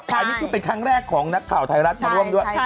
แต่นี่เป็นครั้งแรกของนักข่าวไทยรัฐพร่มด้วย